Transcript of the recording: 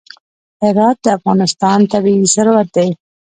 هرات د افغانستان طبعي ثروت دی.